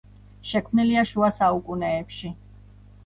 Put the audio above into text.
შექმნილია შუა საუკუნეებში.